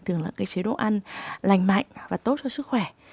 thường là cái chế độ ăn lành mạnh và tốt cho sức khỏe